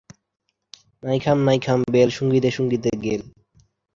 এশিয়ার চারটি প্রধান অর্থনৈতিক কেন্দ্র আছেঃ টোকিও, হংকং, সিঙ্গাপুর ও সাংহাই।